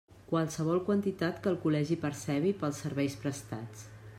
Qualsevol quantitat que el Col·legi percebi pels serveis prestats.